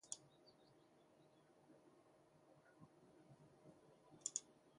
hun kunde ikke derfor.